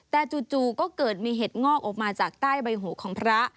แต่จู่ก็เกิดมีเห็ดงอกออกมาจากใต้ใบหูของพระ